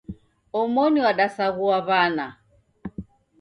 Omoni wadasaghua wana.